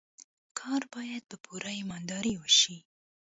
کار باید په پوره ایماندارۍ وشي.